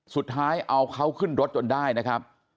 สุดท้ายเอาเขาขึ้นรถจนได้นะครับ